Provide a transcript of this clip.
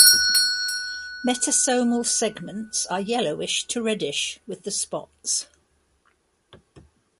Metasomal segments are yellowish to reddish with the spots.